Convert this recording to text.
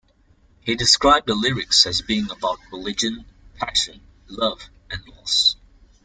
He described the lyrics as being about religion, passion, love, and loss.